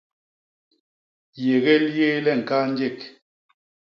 Yégél yéé le ñkaa njék.